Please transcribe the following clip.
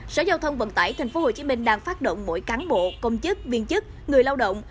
sở giao thông vận tải tp hcm đang phát động mỗi cán bộ công chức viên chức người lao động